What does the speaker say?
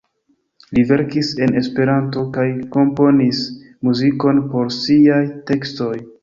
Li verkis en Esperanto kaj komponis muzikon por siaj tekstoj.